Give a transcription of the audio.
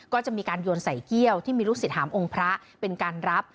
ก็จะมีการโยนใส่เกี้ยวที่มีลูกศิษย์หามองค์พระเป็นการรับ